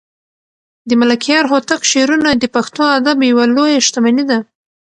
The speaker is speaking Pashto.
د ملکیار هوتک شعرونه د پښتو ادب یوه لویه شتمني ده.